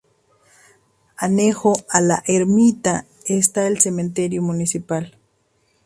Anejo a la ermita está el cementerio municipal.